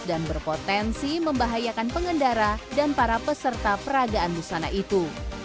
dan berpotensi membahayakan pengendara dan para peserta peragaan busana itu